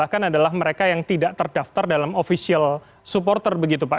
bahkan adalah mereka yang tidak terdaftar dalam official supporter begitu pak